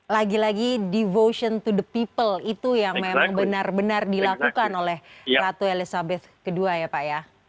lagi lagi devotion to the people itu yang benar benar dilakukan oleh ratu elizabeth ii